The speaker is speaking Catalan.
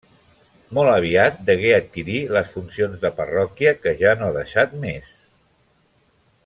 Molt aviat degué adquirir les funcions de parròquia, que ja no ha deixat més.